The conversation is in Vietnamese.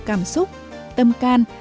cảm xúc tâm can